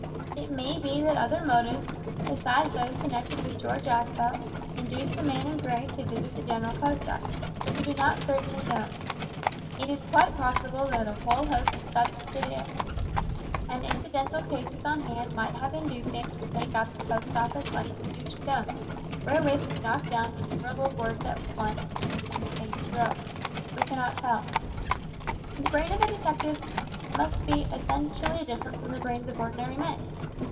It may be that other motives, besides those connected with George Aspel, induced the man in grey to visit the General Post Office, but we do not certainly know. It is quite possible that a whole host of subsidiary and incidental cases on hand might have induced him to take up the Post Office like a huge stone, wherewith to knock down innumerable birds at one and the same throw; we cannot tell. The brain of a detective must be essentially different from the brains of ordinary men.